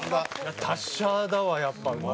達者だわやっぱ。